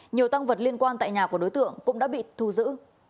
nhiều tăng vật liên quan tại nhà của đối tượng cũng đã bị thu giữ